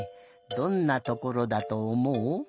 どんなところだとおもう？